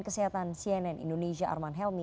kesehatan cnn indonesia arman helmi